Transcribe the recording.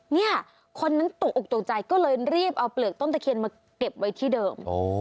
เนี่ยคนนั้นตกออกตกใจก็เลยรีบเอาเปลือกต้นตะเคียนมาเก็บไว้ที่เดิม